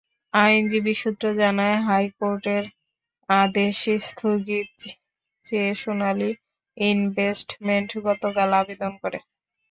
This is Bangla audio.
আইনজীবী সূত্র জানায়, হাইকোর্টের আদেশ স্থগিত চেয়ে সোনালী ইনভেস্টমেন্ট গতকাল আবেদন করে।